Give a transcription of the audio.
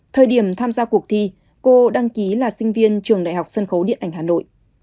thời điểm tham gia cuộc thi cô đăng ký là sinh viên trường đại học sân khấu điện ảnh hà nội